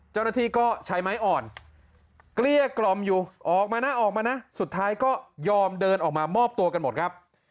เจ้าหน้าที่ก็ใช้ไม้อ่อนเกลี้ยกล่อมอยู่ออกมานะออกมานะสุดท้ายก็ยอมเดินออกมามอบตัวกันหมดครับ